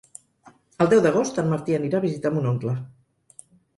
El deu d'agost en Martí anirà a visitar mon oncle.